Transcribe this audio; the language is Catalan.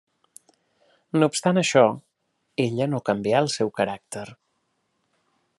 No obstant això, ella no canvià el seu caràcter.